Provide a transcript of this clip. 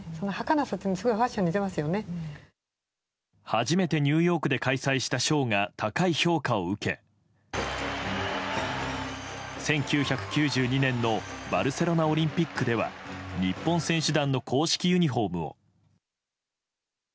初めてニューヨークで開催したショーが高い評価を受け１９９２年のバルセロナオリンピックでは日本選手団の公式ユニホームを。